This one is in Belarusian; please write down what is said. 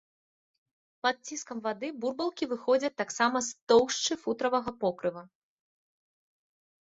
Пад ціскам вады бурбалкі выходзяць таксама з тоўшчы футравага покрыва.